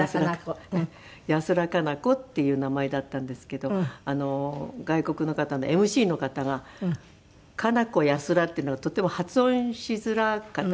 やすらかな子っていう名前だったんですけど外国の方のＭＣの方が「カナコヤスラ」っていうのがとっても発音しづらかったんです。